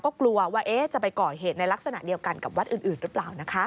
ก็กลัวว่าจะไปก่อเหตุในลักษณะเดียวกันกับวัดอื่นหรือเปล่านะคะ